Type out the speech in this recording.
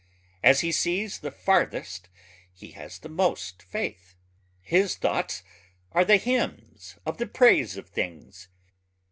As he sees the farthest he has the most faith. His thoughts are the hymns of the praise of things.